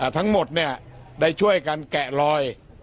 ทั้งหมดได้ช่วยกันแกะลอย